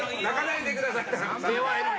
泣かないでください